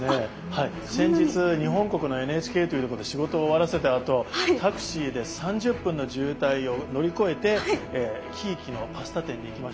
先日日本国のＮＨＫというとこで仕事を終わらせたあとタクシーで３０分の渋滞を乗り越えてひいきのパスタ店に行きました。